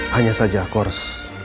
hanya saja aku harus